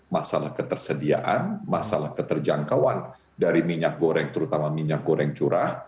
masalah ketersediaan masalah keterjangkauan dari minyak goreng terutama minyak goreng curah